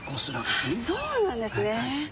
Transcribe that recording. そうなんですね。